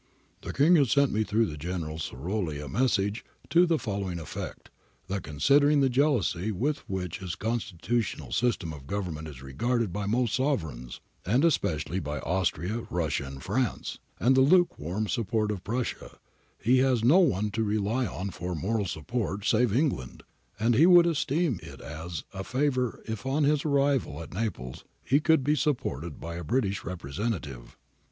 ]' The King has sent me through General SolaroH a message to the following effect. That considering the jealousy with which his constitutional system of government is regarded by most sovereigns, and especially by Austria, Russia, and France, and the lukewarm support of Prussia, he has no one to rely on for moral support save England, and he would esteem it as a favour if on his arrival at Naples he could be supported by a British •'epresentative.'